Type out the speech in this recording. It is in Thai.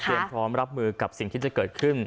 พร้อมรับมือกับสิ่งที่จะเกิดขึ้น